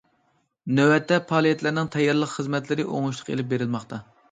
نۆۋەتتە پائالىيەتلەرنىڭ تەييارلىق خىزمەتلىرى ئوڭۇشلۇق ئېلىپ بېرىلماقتا.